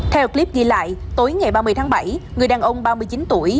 theo clip ghi lại tối ngày ba mươi tháng bảy người đàn ông ba mươi chín tuổi